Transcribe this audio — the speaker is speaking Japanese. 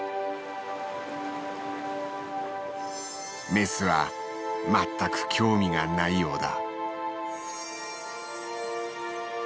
メスは全く興味がないようだ。